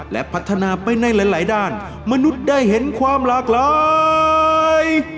และพัฒนาไปในหลายด้านมนุษย์ได้เห็นความหลากหลาย